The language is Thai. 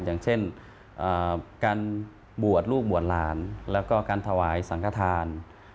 อย่างเช่นการบวชลูกบวชหลานแล้วก็การถวายสังขทาน